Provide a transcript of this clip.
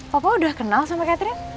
papa udah kenal sama catherine